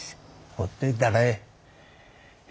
ほっといたらええ。